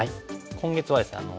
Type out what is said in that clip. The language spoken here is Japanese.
今月はですね